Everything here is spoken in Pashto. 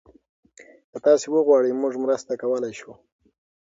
که تاسي وغواړئ، موږ مرسته کولی شو.